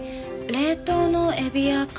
冷凍のエビやカニ